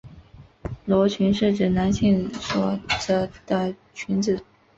男裙是指男性所着的裙子。